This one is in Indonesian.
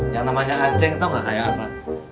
yang namanya anjeng tau gak kayak apa